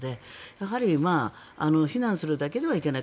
やはり非難するだけではいけない。